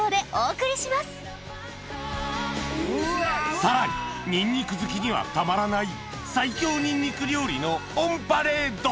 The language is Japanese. さらにニンニク好きにはたまらない最強ニンニク料理のオンパレード！